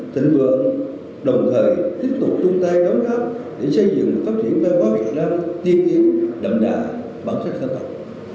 thịnh vượng đồng thời tiếp tục chung tay đóng góp để xây dựng phát triển bảo vệ tổ quốc việt nam tiên nhiên đậm đà bản sắc sản phẩm